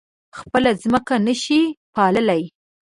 خپله ځمکه نه شي پاللی.